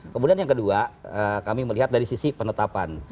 kemudian yang kedua kami melihat dari sisi penetapan